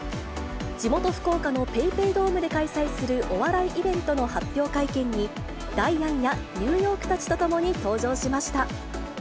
地元福岡のＰａｙＰａｙドームで開催するお笑いイベントの発表会見に、ダイアンやニューヨークたちと共に登場しました。